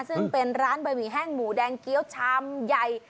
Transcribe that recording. ซึ่งเป็นร้านบะหมี่แห้งหมูแดงเกี้ยวชามใหญ่